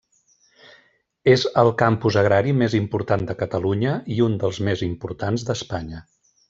És el campus agrari més important de Catalunya i un dels més importants d'Espanya.